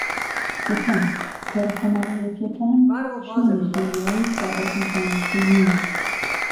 یەکەم: تۆڕە کۆمەڵایەتییەکان شوێنی خوێندنەوە و بابەتی زانستی نین